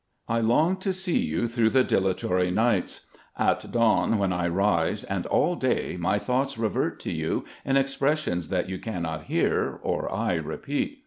I long to see you through the dilatory nights. At dawn when I rise, and all day, my thoughts revert to you in expressions that you cannot hear or I repeat.